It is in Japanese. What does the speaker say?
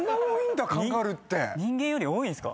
人間より多いんすか？